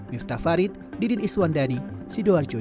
miftah farid didin iswandani sidoarjo